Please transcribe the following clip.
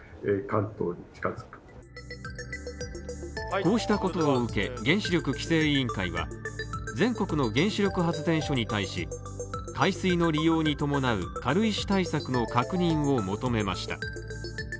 こうしたことを受け、原子力規制委員会は、全国の原子力発電所に対し海水の利用に伴う軽石対策の確認を求めました。